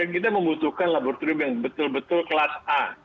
kita membutuhkan laboratorium yang betul betul kelas a